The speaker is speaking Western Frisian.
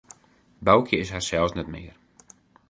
Boukje is harsels net mear.